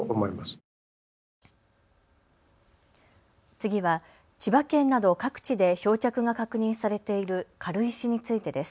次は千葉県など各地で漂着が確認されている軽石についてです。